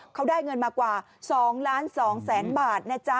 เขาได้เงินมากว่า๒ล้าน๒แสนบาทนะจ๊ะ